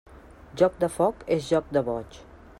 Joc de foc és joc de boig.